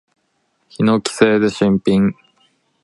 ヒノキ製で新品。